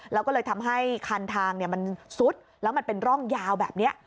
แล้วก็เลยทำให้คันทางมันซุดแล้วมันเป็นร่องยาวแบบนี้